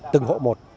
từng hộ một